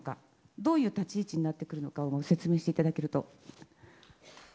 どういう立ち位置になってくるのか説明していただけると。